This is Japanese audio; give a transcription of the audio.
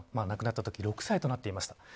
亡くなったとき６歳となっていました。